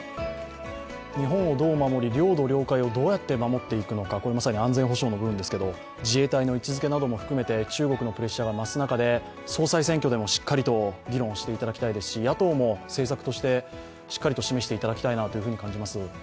日本をどう守り、領土、領海をどう守っていくのかまさに安全保障の部分ですけれども、自衛隊の位置づけも含めて中国のプレッシャーが増す中で総裁選挙でもしっかりと議論していただきたいですし、野党も政策としてしっかりと示していただきたいなと感じます。